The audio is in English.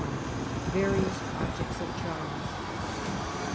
I. Various Projects of Charles.